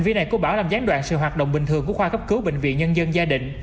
việc này của bảo làm gián đoạn sự hoạt động bình thường của khoa cấp cứu bệnh viện nhân dân gia đình